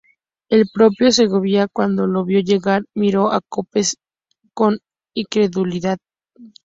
El propio Segovia cuando lo vio llegar, miró a Copes con incredulidad.